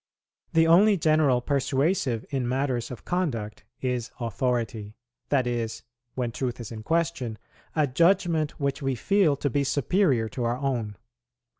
The only general persuasive in matters of conduct is authority; that is, (when truth is in question,) a judgment which we feel to be superior to our own.